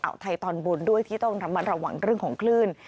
อาวุธไทยตอนบนด้วยที่ต้องทำมาระวังเรื่องของคลื่น